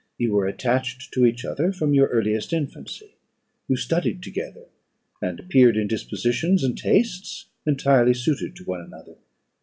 You were attached to each other from your earliest infancy; you studied together, and appeared, in dispositions and tastes, entirely suited to one another.